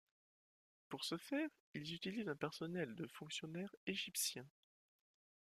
Pour ce faire, ils utilisent un personnel de fonctionnaires égyptiens.